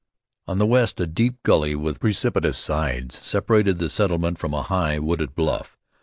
On the west a deep gully with precipitous sides separated the settlement from a high, wooded bluff.